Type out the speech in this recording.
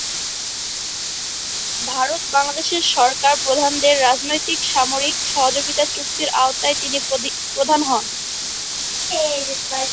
ভারত-বাংলাদেশের সরকার প্রধানদের রাজনৈতিক-সামরিক সহযোগীতা চুক্তির আওতায় তিনি প্রধান হন।